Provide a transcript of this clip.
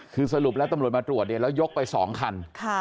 คือสรุปแล้วตำรวจมาตรวจเนี่ยแล้วยกไป๒คัน